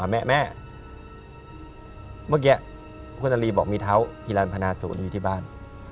เมื่อกี้คุณนาลีบอกเปทำให้มีเธาฮิลันธุ์ภนาศูนย์อยู่ที่บ้าน